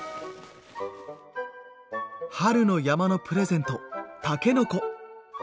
春の山のプレゼントたけのこ。